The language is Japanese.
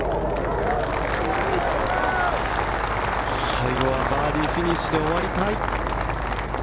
最後はバーディーフィニッシュで終わりたい。